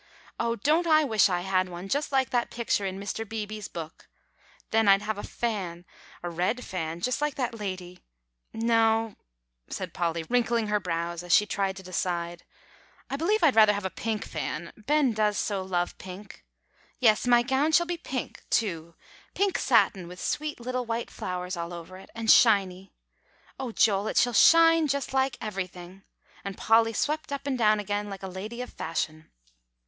Oh, don't I wish I had one just like that picture in Mr. Beebe's book! Then I'd have a fan, a red fan just like that lady no," said Polly, wrinkling her brows as she tried to decide, "I b'lieve I'd rather have a pink fan, Ben does so love pink. Yes, my gown shall be pink, too, pink satin with sweet little white flowers all over it, and shiny. O Joel, it shall shine just like everything!" and Polly swept up and down again like a lady of fashion.